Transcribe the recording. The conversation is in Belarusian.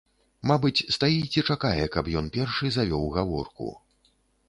Мабыць, стаіць і чакае, каб ён першы завёў гаворку.